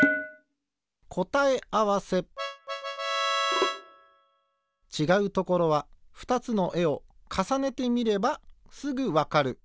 こたえあわせちがうところは２つのえをかさねてみればすぐわかる。